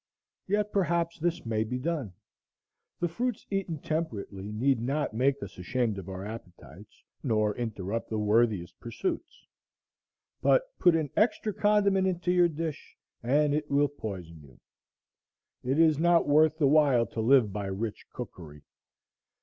Yet perhaps this may be done. The fruits eaten temperately need not make us ashamed of our appetites, nor interrupt the worthiest pursuits. But put an extra condiment into your dish, and it will poison you. It is not worth the while to live by rich cookery.